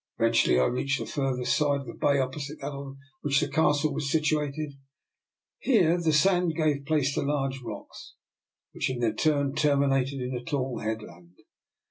Eventually I reached the further side of the bay opposite that on which the Castle was situated. Here the sand gave place to large rocks, which in their turn terminated in a tall headland.